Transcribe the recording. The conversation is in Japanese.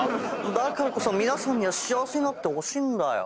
だからこそ皆さんには幸せになってほしいんだよ。